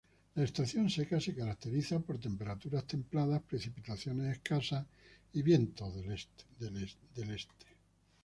La estación seca se caracteriza por temperaturas templadas, precipitaciones escasas y vientos del este.